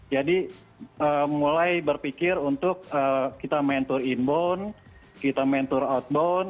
jadi mulai berpikir untuk kita mentor inbound kita mentor outbound